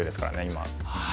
今。